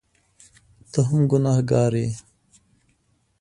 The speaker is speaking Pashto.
ته هم ګنهکاره یې !